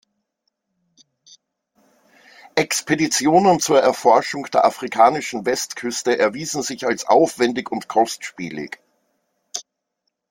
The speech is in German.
Expeditionen zur Erforschung der afrikanischen Westküste erwiesen sich als aufwendig und kostspielig.